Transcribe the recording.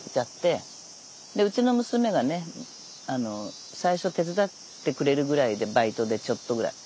でうちの娘がね最初手伝ってくれるぐらいでバイトでちょっとぐらい。